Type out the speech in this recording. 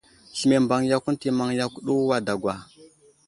Sləmay i mbaŋ yakw ənta i maŋ yakw uway dagwa ?